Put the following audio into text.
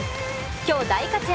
今日大活躍